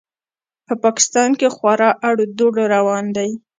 په پاکستان کې خورا اړ و دوړ روان دی.